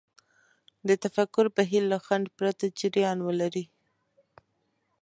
د تفکر بهير له خنډ پرته جريان ولري.